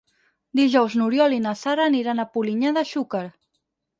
Dijous n'Oriol i na Sara aniran a Polinyà de Xúquer.